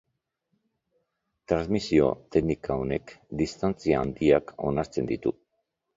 Transmisio-teknika honek distantzia handiak onartzen ditu.